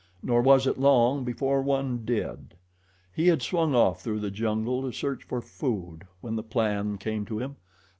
Nor was it long before one did. He had swung off through the jungle to search for food when the plan came to him.